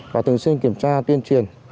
và thường xuyên kiểm tra tuyên truyền